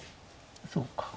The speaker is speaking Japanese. そうか。